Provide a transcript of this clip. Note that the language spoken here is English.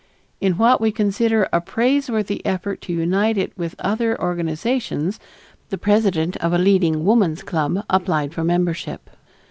In what we considered a praiseworthy effort to unite it with other organizations, the president of a leading Woman's Club applied for membership.